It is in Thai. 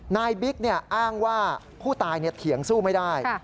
บิ๊กอ้างว่าผู้ตายเถียงสู้ไม่ได้